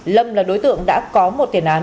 lâm là đối tượng đã có một tiền án